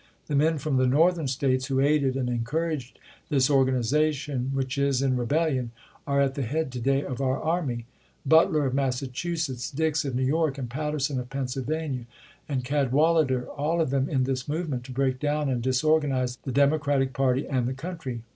The men from the Northern States who aided and encouraged this organization which is in rebel lion are at the head to day of oui" army. Butler of Mas sachusetts, Dix of New York, and Patterson of Pennsyl vania, and Cadwalader — all of them in this movement to break down and disorganize the Democratic party and the country.